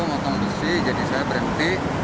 motong besi jadi saya berhenti